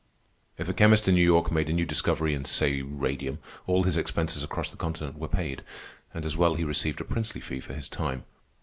If a chemist in New York made a new discovery in say radium, all his expenses across the continent were paid, and as well he received a princely fee for his time.